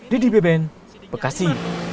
didi beben bekasi